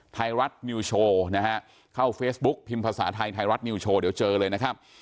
ไทยรัฐนิวโชว์นะฮะเข้าเฟซบุ๊กพิมพ์ภาษาไทยไทยรัฐนิวโชว์เดี๋ยวเจอเลยนะครับ